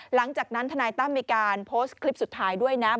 ทนายตั้มมีการโพสต์คลิปสุดท้ายด้วยนะ